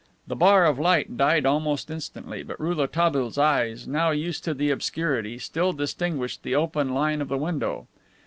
The bar of light died almost instantly, but Rouletabille's eyes, now used to the obscurity, still distinguished the open line of the window.